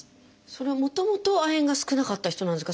それはもともと亜鉛が少なかった人なんですか？